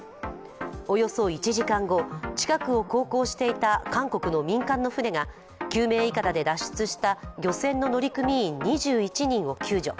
およそ１時間後、近くを航行していた韓国の民間の船が救命いかだで脱出した漁船の乗組員２１人を救助。